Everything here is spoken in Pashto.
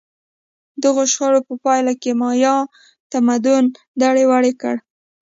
دغو شخړو په پایله کې مایا تمدن دړې وړې کړ.